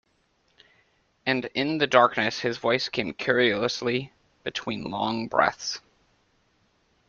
And in the darkness his voice came querulously between long breaths.